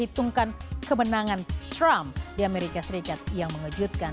hitungkan kemenangan trump di amerika serikat yang mengejutkan